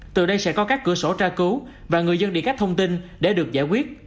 từ đây sẽ có các cửa sổ tra cứu và người dân địa cách thông tin để được giải quyết